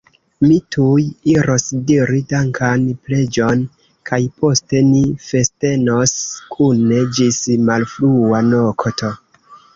Mi tuj iros diri dankan preĝon, kaj poste ni festenos kune ĝis malfrua nokto!